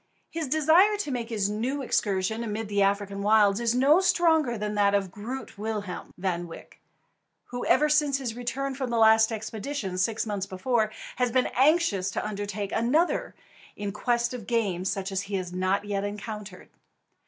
His desire to make his new excursion amid the African wilds is no stronger than that of "Groot Willem" Van Wyk, who ever since his return from the last expedition, six months before, has been anxious to undertake another in quest of game such as he has not yet encountered.